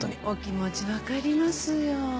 お気持ちわかりますよ。